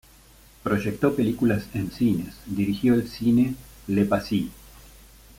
Proyectó películas en cines, dirigió el cine "Le Passy".